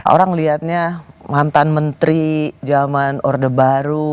orang melihatnya mantan menteri jaman orde baru